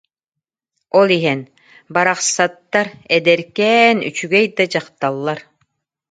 Ол иһэн: «Барахсаттар, эдэркээн, үчүгэй да дьахталлар